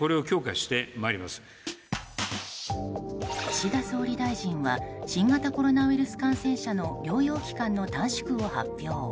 岸田総理大臣は新型コロナウイルス感染者の療養期間の短縮を発表。